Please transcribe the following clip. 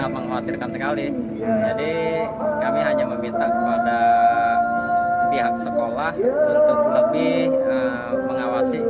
mengkhawatirkan sekali jadi kami hanya meminta kepada pihak sekolah untuk lebih mengawasi